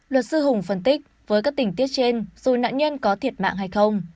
luật sư hùng phân tích với các tình tiết trên dù nạn nhân có thiệt mạng hay không